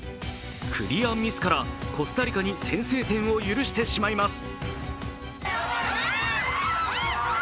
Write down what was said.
クリアミスからコスタリカに先制点を許してしまいます。